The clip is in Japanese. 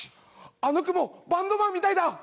あの雲バンドマンみたいだ。